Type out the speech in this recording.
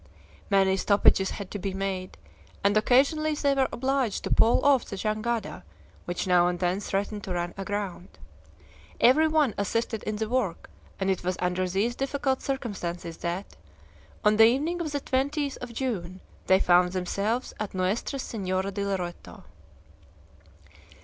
Many stoppages had to be made, and occasionally they were obliged to pole off the jangada, which now and then threatened to run aground. Every one assisted in the work, and it was under these difficult circumstances that, on the evening of the 20th of June, they found themselves at Nuestra Senora di Loreto.